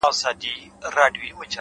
اخلاص د عمل وزن دروندوي’